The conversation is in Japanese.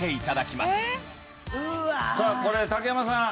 さあこれ竹山さん